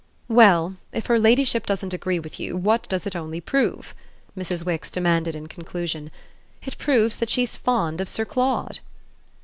"Well, if her ladyship doesn't agree with you, what does it only prove?" Mrs. Wix demanded in conclusion. "It proves that she's fond of Sir Claude!"